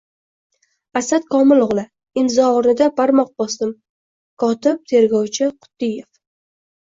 Asad Komil o‘g‘li. Imzo o‘rnida barmoq bosdim. Kotib: tergovchi Quttiyev”.